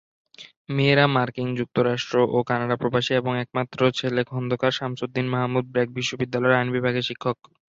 মেয়েরা মার্কিন যুক্তরাষ্ট্র ও কানাডা প্রবাসী এবং একমাত্র ছেলে খন্দকার শামসুদ্দিন মাহমুদ ব্র্যাক বিশ্ববিদ্যালয়ের আইন বিভাগের শিক্ষক।